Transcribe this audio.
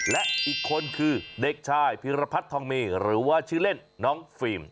และอีกคนคือเด็กชายพิรพัฒนทองเมหรือว่าชื่อเล่นน้องฟิล์ม